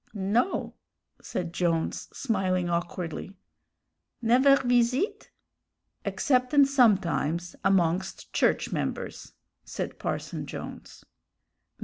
"No," said Jones, smiling awkwardly. "Never visite?" "Exceptin' sometimes amongst church members," said Parson Jones.